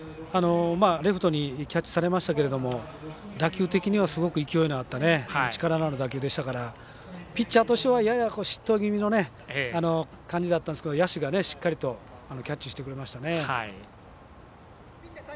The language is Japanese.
レフトにキャッチされましたけど打球的にはすごく勢いのあった力のある打球でしたからピッチャーとしてはやや失投気味の感じだったんですけど野手がしっかりとキャッチしてくれましたね。